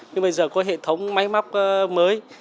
nhưng bây giờ có hệ thống máy móc mới